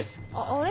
あれ？